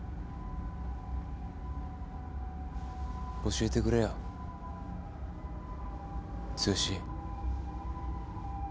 教えてくれよ剛。